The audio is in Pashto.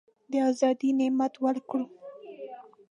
د آزادی نعمت ورکړو.